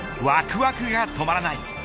わくわくが止まらない。